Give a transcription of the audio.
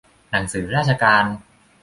หนังสือราชการ